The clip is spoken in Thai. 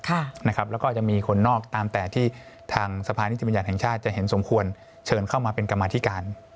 แล้วก็จะมีคนนอกตามแต่ที่ทางสภานิติบัญญัติแห่งชาติจะเห็นสมควรเชิญเข้ามาเป็นกรรมาธิการ